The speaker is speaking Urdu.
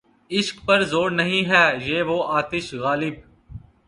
عشق پر زور نہیں، ہے یہ وہ آتش غالب